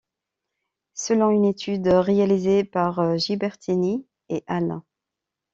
Selon une étude réalisée par Gibertini et al.